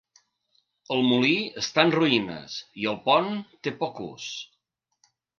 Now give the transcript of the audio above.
El molí està en ruïnes i el Pont té poc ús.